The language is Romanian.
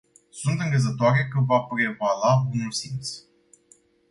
Sunt încrezătoare că va prevala bunul simț.